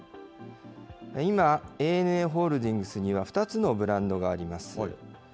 今、ＡＮＡホールディングスには、２つのブランドがあります。